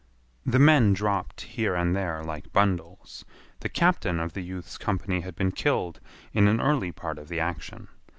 The men dropped here and there like bundles. The captain of the youth's company had been killed in an early part of the action.